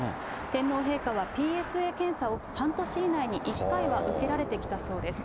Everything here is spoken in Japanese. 天皇陛下はＰＳＡ検査を半年以内に１回は受けられてきたそうです。